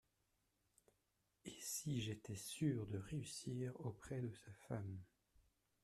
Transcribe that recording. Et si j’étais sûr de réussir auprès de sa femme…